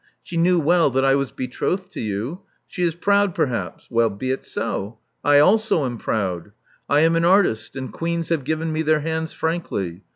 She knew well that I was betrothed to you. She is proud, perhaps. Well, be it so. I also am proud. I am an artist; and queens have given me their hands frankly.